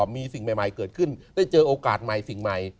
มีสิ่งใหม่เกิดขึ้นได้เจอโอกาสใหม่สิ่งใหม่